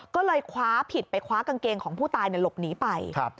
ก็เลยคว้าผิดไปคว้ากางเกงของผู้ตายหลบหนีไป